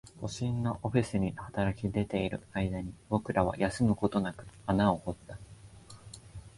都心のオフィスに働き出ている間に、僕らは休むことなく穴を掘った